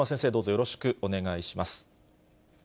よろしくお願いします。